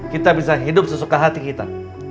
kita bisa hidup sesuka hati kita